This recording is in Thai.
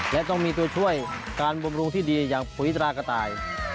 และต้องมีตัวช่วยการบำรุงที่ดีอย่างปุ๋ยตรากระต่าย